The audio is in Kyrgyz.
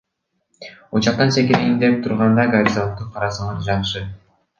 Учактан секирейин деп турганда горизонтту карасаңар жакшы.